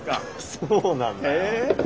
そうなんだよ。